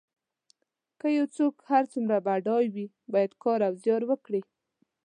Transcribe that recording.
که یو څوک هر څومره بډای وي باید کار او زیار وکړي.